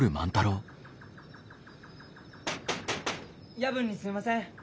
夜分にすみません。